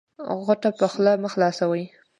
غوټه په خوله مه خلاصوی